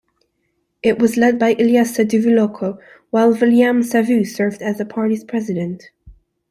It was led by Iliesa Duvuloco, while Viliame Savu served as the party's President.